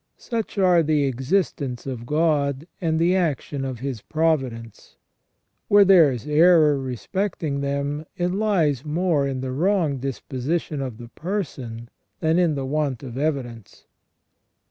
Such are the existence of God and the action of His providence. Where there is error respecting them, it lies more in the wrong disposition of the person than in the want of evidence.